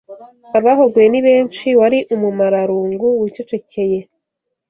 abahogoye ni benshi wari umumararungu wicecekeye,